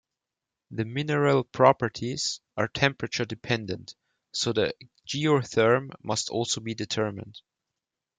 The mineral properties are temperature-dependent, so the geotherm must also be determined.